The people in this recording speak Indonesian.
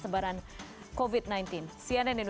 terus jangan cipika cipiki harus nurut juga